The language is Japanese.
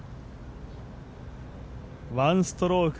１ストローク